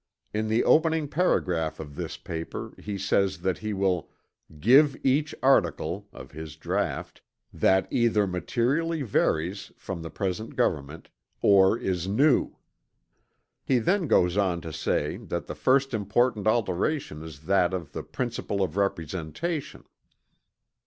In the opening paragraph of this paper he says that he will "give each article" of his draught "that either materially varies" from the present government "or is new." He then goes on to say that "the first important alteration is that of the principle of representation."